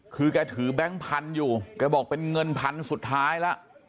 คือแกถือแบงค์พันธุ์อยู่แกบอกเป็นเงินพันสุดท้ายแล้ว